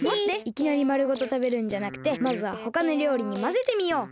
いきなりまるごとたべるんじゃなくてまずはほかのりょうりにまぜてみよう。